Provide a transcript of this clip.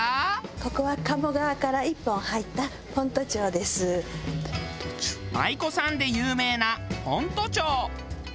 ここは鴨川から１本入った舞妓さんで有名な先斗町。